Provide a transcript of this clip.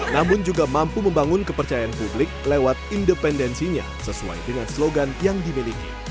namun juga mampu membangun kepercayaan publik lewat independensinya sesuai dengan slogan yang dimiliki